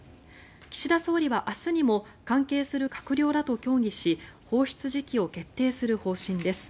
岸田総理は明日にも関係する閣僚らと協議し放出時期を決定する方針です。